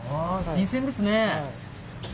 新鮮ですね。